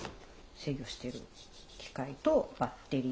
制御している機械とバッテリー。